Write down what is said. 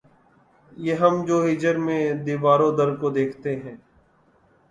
یہ ہم جو ہجر میں‘ دیوار و در کو دیکھتے ہیں